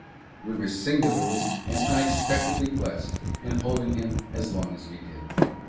We were singularly and unexpectedly blessed in holding him as long as we did.